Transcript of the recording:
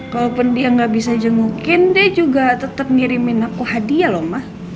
kalaupun dia gak bisa jengukin dia juga tetep ngirimin aku hadiah loh ma